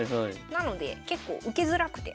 なので結構受けづらくて。